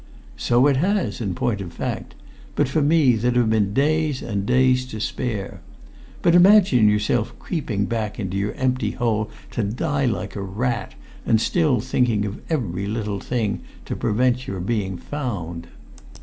So it has, in point of fact; but for me, there'd have been days and days to spare. But imagine yourself creeping back into your empty hole to die like a rat, and still thinking of every little thing to prevent your being found!"